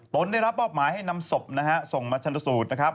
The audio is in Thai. ตนได้รับบ้อบหมายให้นำศพส่งมาชนสู่ศพ